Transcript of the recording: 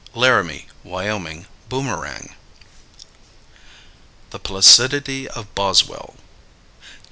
Laramie (Wyoming) Boomerang. THE PLACIDITY OF BOSWELL.